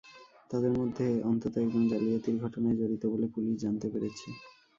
তাঁদের মধ্যে অন্তত একজন জালিয়াতির ঘটনায় জড়িত বলে পুলিশ জানতে পেরেছে।